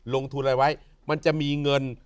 ลงทุนอะไรไว้มันจะมีเงิน